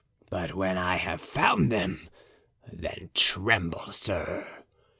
But when I have found them, then tremble, sir.